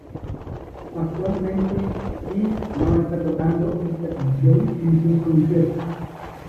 Actualmente, Kiss no está tocando esta canción en sus conciertos.